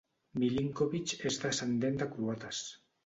Milinkovic és descendent de croates.